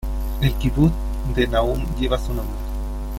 El kibutz Sde Nahum lleva su nombre.